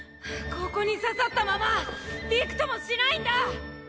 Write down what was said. ここに刺さったままビクともしないんだ！！